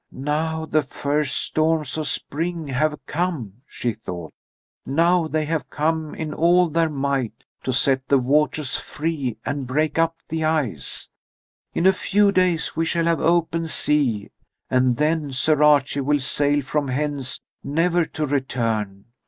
"Now the first storms of spring have come," she thought. "Now they have come in all their might to set the waters free and break up the ice. In a few days we shall have open sea, and then Sir Archie will sail from hence, never to return.